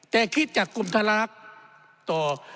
แต่คิดจากกรมธลักษณ์ต่อ